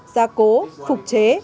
giá cố phục chế